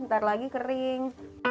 ntar lagi kering